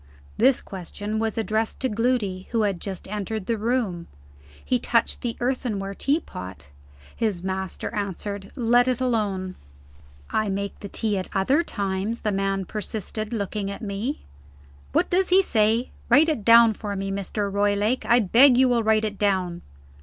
This question was addressed to Gloody, who had just entered the room. He touched the earthenware teapot. His master answered: "Let it alone." "I make the tea at other times," the man persisted, looking at me. "What does he say? Write it down for me, Mr. Roylake. I beg you will write it down."